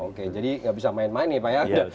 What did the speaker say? oke jadi nggak bisa main main nih pak ya